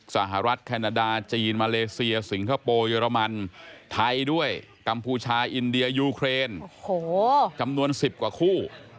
สหรัฐแคนาดาจีนมาเลเซียสิงคโปร์เยอรมันไทยด้วยกัมพูชาอินเดียยูเครนจำนวน๑๐กว่าคู่